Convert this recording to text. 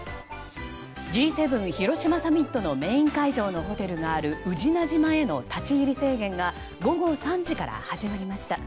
Ｇ７広島サミットのメイン会場のホテルがある宇品島への立ち入り制限が午後３時から始まりました。